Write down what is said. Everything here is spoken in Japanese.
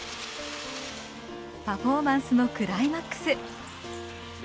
パフォーマンスのクライマックス。